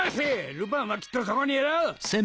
ルパンはきっとそこにいる！